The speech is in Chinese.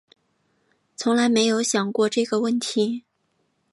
从来没有想过这个问题